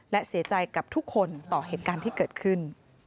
และเสียใจกับทุกคนต่อเหตุการณ์ที่เกิดขึ้น